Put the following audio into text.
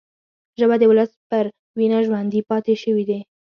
ژبه د ولس پر وینه ژوندي پاتې شوې ده